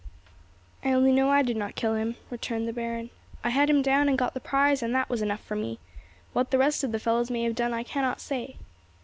"I only know I did not kill him," returned the baron; "I had him down and got the prize, and that was enough for me. What the rest of the fellows may have done, I cannot say."